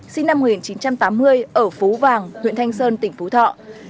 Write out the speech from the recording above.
sinh năm một nghìn chín trăm tám mươi ở phú vàng huyện thanh sơn tỉnh phú thọ